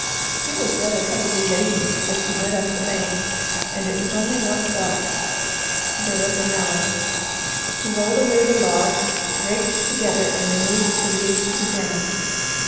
He was rather heavily ladened as he went up the bank, and it was only one o'clock. There was an hour. He rolled away the log, raked together and removed the leaves to the ground.